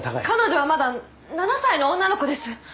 彼女はまだ７歳の女の子です。